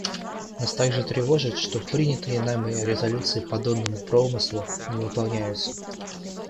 Нас также тревожит, что принятые нами резолюции по донному промыслу не выполняются.